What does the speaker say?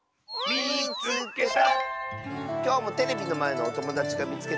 「みいつけた！」。